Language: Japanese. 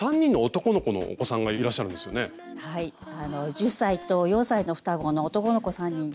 １０歳と４歳の双子の男の子３人です。